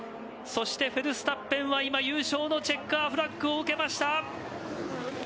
そしてフェルスタッペンは今優勝のチェッカーフラッグを受けました。